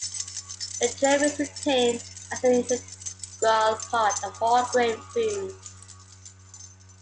The germ is retained as an integral part of whole-grain foods.